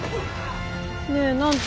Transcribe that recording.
ねえ何て？